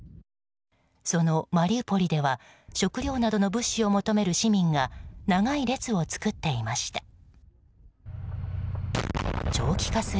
そのマリウポリでは食料などの物資を求める市民が長い列を作っていました。